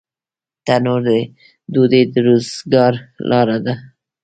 تنور د ډوډۍ د روزګار لاره ده